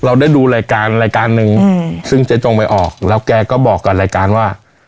เราได้ดูรายการนึงซึ่งเจ๊จงไปออกแล้วแก่ก็บอกกันรายการว่า